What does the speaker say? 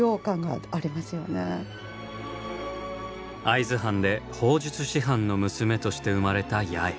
会津藩で砲術師範の娘として生まれた八重。